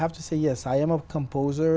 vậy nếu bạn có cơ hội